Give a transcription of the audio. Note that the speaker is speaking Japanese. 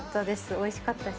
おいしかったし。